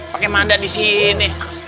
pakai mandan di sini